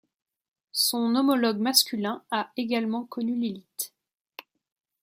Son homologue masculin a également connu l'élite.